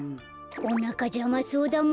おなかじゃまそうだもんね。